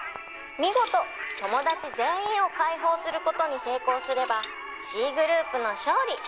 「見事友達全員を解放する事に成功すればＣグループの勝利！」